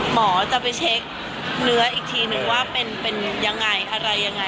หมอจะไปเช็คเนื้ออีกทีนึงว่าเป็นยังไงอะไรยังไง